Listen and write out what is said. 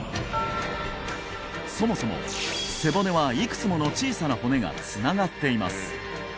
そもそも背骨はいくつもの小さな骨がつながっています